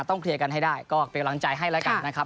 เคลียร์กันให้ได้ก็เป็นกำลังใจให้แล้วกันนะครับ